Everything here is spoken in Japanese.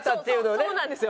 そうなんですよ。